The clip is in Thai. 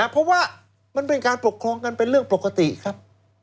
เพราะว่ามันเป็นการปกครองกันเป็นเรื่องปกติครับ